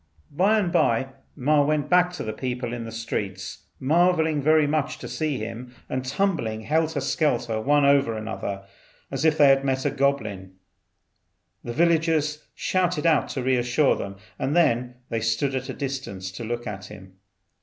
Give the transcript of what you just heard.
By and by Ma went back, the people in the streets marvelling very much to see him, and tumbling helter skelter one over another as if they had met a goblin. The villagers shouted out to re assure them, and then they stood at a distance to look at him.